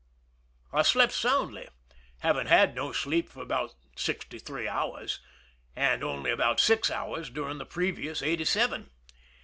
I slept soundly, having had no sleep for about sixty three hours, and only about six hours during the previous eighty seven.